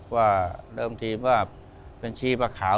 ว่าเริ่มทีว่าเป็นชีพข่าว